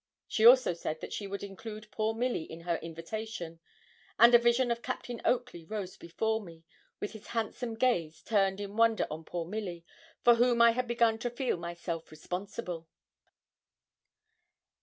She also said that she would include poor Milly in her invitation; and a vision of Captain Oakley rose before me, with his handsome gaze turned in wonder on poor Milly, for whom I had begun to feel myself responsible.